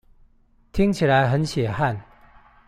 聽起來很血汗